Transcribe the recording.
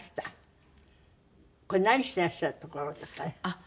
これ何してらっしゃるところですかね？